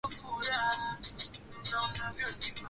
wanaishi Iraq karibu Waturuki elfumoja Waturuki wengi